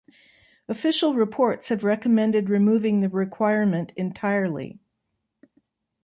Official reports have recommended removing the requirement entirely.